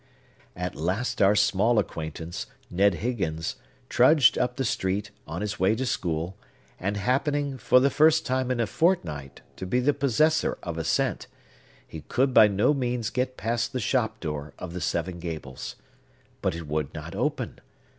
At last our small acquaintance, Ned Higgins, trudged up the street, on his way to school; and happening, for the first time in a fortnight, to be the possessor of a cent, he could by no means get past the shop door of the Seven Gables. But it would not open.